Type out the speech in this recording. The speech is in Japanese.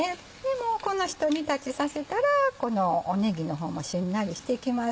もうこのひと煮立ちさせたらこのねぎの方もしんなりしてきます。